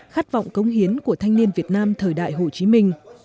khát vọng cống hiến của thanh niên việt nam thời đại hồ chí minh